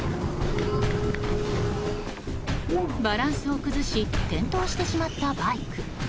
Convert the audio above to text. バランスを崩し転倒してしまったバイク。